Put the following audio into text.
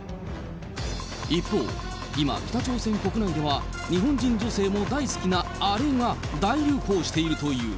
一方、今、北朝鮮国内では日本人女性も大好きなあれが大流行しているという。